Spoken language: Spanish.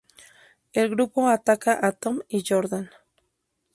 El grupo ataca a Tom y Jordan.